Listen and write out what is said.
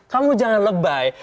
kamu jangan lebay